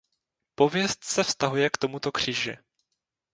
Pověst se vztahuje k tomuto kříži.